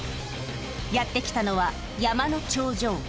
やって来たのは、山の頂上。